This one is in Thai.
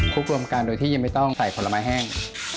รวมกันโดยที่ยังไม่ต้องใส่ผลไม้แห้ง